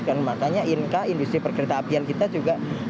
karena makanya inka industri pergeretapian kita juga harus didukung